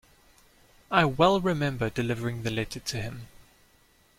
I well remember delivering the letter to him.